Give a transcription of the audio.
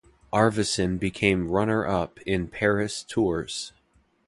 Arvesen became runner-up in Paris-Tours.